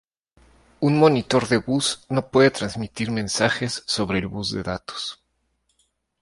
Un monitor de bus no puede transmitir mensajes sobre el bus de datos.